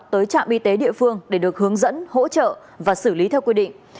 tới trạm y tế địa phương để được hướng dẫn hỗ trợ và xử lý theo quy định